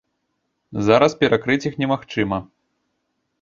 Зараз перакрыць іх немагчыма.